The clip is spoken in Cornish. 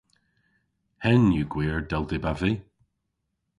Henn yw gwir dell dybav vy.